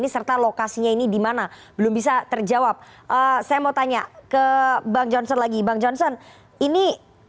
serta lokasinya ini dimana belum bisa terjawab saya mau tanya ke bang johnson lagi bang johnson ini